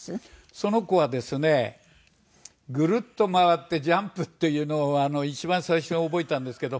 その子はですねグルッと回ってジャンプっていうのを一番最初覚えたんですけど。